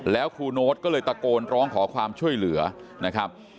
แล้วครูโน๊ตก็เลยตะโกนร้องขอความช่วยเหลือนะครับ